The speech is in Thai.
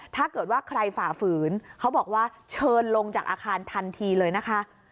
ถ้าเกิดว่าใครฝ่าฝืนเขาบอกว่าเชิญลงจากอาคารทันทีเลยนะคะ